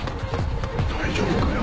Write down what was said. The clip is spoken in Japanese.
大丈夫かよ？